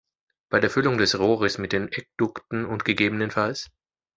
Bei der Füllung des Rohres mit den Edukten und ggf.